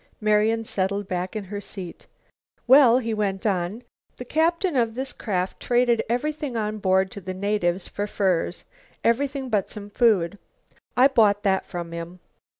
Marian settled back in her seat. "Well," he went on, "the captain of this craft traded everything on board to the natives for furs; everything but some food. I bought that from him.